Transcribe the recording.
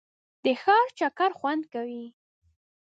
د ښار چکر خوند کوي.